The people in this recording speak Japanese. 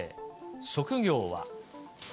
職業は。